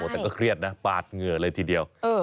แต่ก็เครียดนะปาดเหงื่อเลยทีเดียว